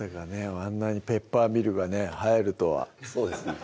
あんなにペッパーミルがねはやるとはそうですね